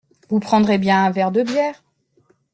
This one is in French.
Vous prendrez bien un verre de bière.